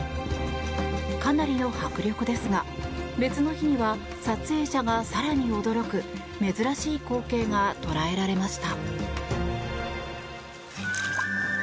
かなりの迫力ですが、別の日には撮影者が更に驚く珍しい光景が捉えられました。